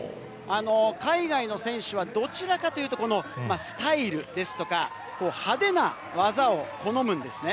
海外の選手は、どちらかというと、このスタイルですとか、派手な技を好むんですね。